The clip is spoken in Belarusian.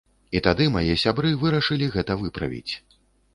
І тады мае сябры вырашылі гэта выправіць.